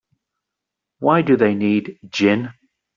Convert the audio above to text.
Why do they need gin?